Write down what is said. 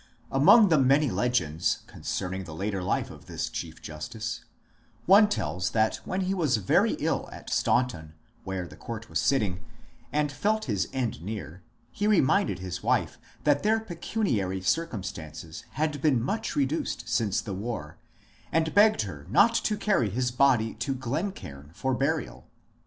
Among the many legends, concerning the later life of this chief justice, one tells that when he was very ill at Staunton, where the court was sitting, and felt his end near, he reminded his wife that their pecuniary circumstances had been much reduced since the war, and begged her not to carry his body to Glencairn for burial.